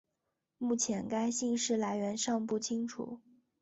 目前该姓氏来源尚不清楚。